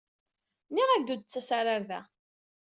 Nniɣ-ak-d ur d-ttas ara ɣer da.